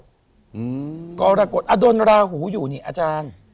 อืมกรกฎอดนราหูอยู่นี่อาจารย์